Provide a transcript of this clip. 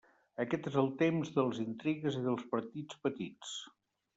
Aquest és el temps de les intrigues i dels partits petits.